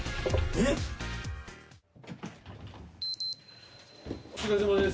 お疲れさまです。